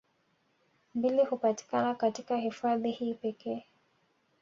Mbili hupatikana katika hifadhi hii pekee